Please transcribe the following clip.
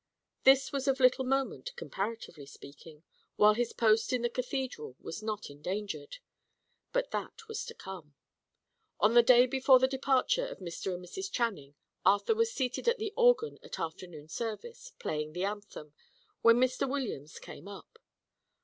This was of little moment, comparatively speaking, while his post in the Cathedral was not endangered. But that was to come. On the day before the departure of Mr. and Mrs. Channing, Arthur was seated at the organ at afternoon service, playing the anthem, when Mr. Williams came up.